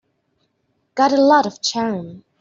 Got a lot of charm.